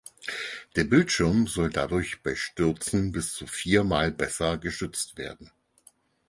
Der Bildschirm soll dadurch bei Stürzen bis zu viermal besser geschützt werden.